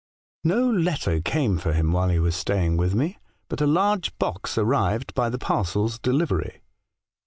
" No letter came for him while he was staying with me, but a large box arrived by the parcels delivery.